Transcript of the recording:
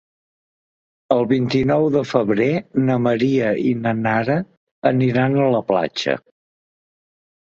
El vint-i-nou de febrer na Maria i na Nara aniran a la platja.